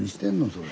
それ。